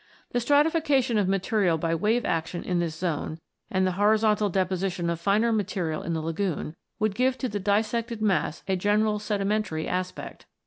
The stratification of material by wave action in this zone, and the horizontal deposition of finer material in the lagoon, would give to the dissected mass a (general sedimentary aspect.